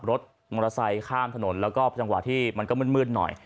รถมอเตอร์ไซค์ข้ามถนนแล้วก็จังหวะที่มันก็มืดหน่อย